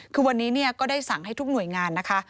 คือวันนี้ก็ได้สั่งให้ทุกหน่วยงานนะคะ